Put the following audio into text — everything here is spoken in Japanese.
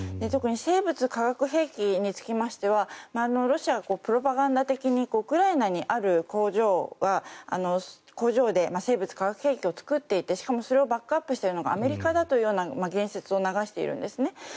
特に生物・化学兵器につきましてはロシアはプロパガンダ的にウクライナにある工場で生物・化学兵器を作っていてしかもそれをバックアップしているのがアメリカだというような言説を流しているんですね。